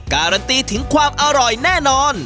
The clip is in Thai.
การันตีถึงความอร่อยแน่นอน